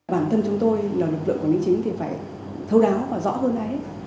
bản thân chúng tôi là lực lượng quản lý chính thì phải thâu đáo và rõ hơn là hết